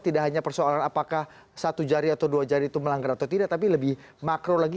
tidak hanya persoalan apakah satu jari atau dua jari itu melanggar atau tidak tapi lebih makro lagi